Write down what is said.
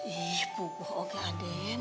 ih bubuk ya aden